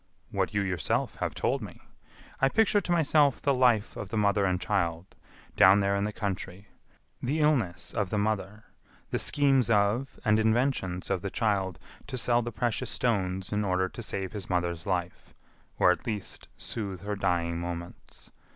"What you yourself have told me. I picture to myself the life of the mother and child down there in the country; the illness of the mother, the schemes of and inventions of the child to sell the precious stones in order to save his mother's life, or, at least, soothe her dying moments.